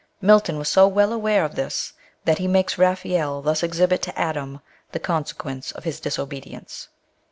Milton was so well aware of this, that he makes Raphael thus exhibit to Adam the consequence of his disobedience : â